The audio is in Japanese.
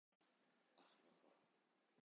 明日の空